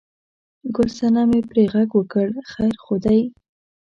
ګل صنمې پرې غږ وکړ: خیر خو دی؟